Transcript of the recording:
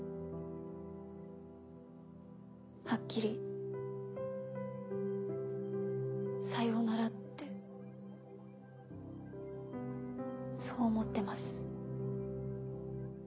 はっきりさようならってそう思ってます。